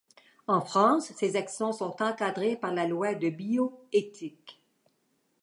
En France ces actions sont encadrées par la loi de bio-éthique.